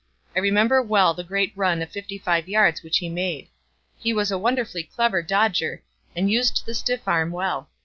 I remember well the great run of fifty five yards which he made. He was a wonderfully clever dodger and used the stiff arm well.